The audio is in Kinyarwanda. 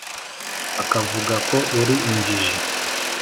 Bakavuga ko uri injiji